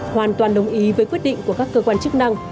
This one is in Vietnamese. hoàn toàn đồng ý với quyết định của các cơ quan chức năng